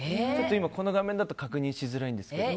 この画面だと確認しづらいんですけど。